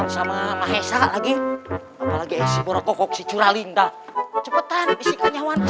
sama maha esa lagi lagi si borokok si curalinda cepetan isi konyawan